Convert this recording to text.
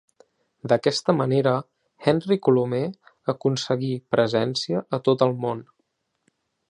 D'aquesta manera Henry Colomer aconseguí presència a tot el món.